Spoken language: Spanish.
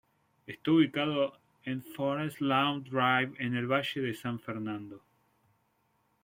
Está ubicado en Forest Lawn Drive en el Valle de San Fernando.